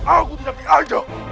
aku tidak diajak